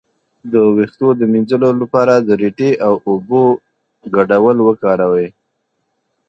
د ویښتو د مینځلو لپاره د ریټې او اوبو ګډول وکاروئ